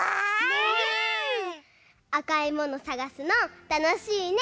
あかいものさがすのたのしいね！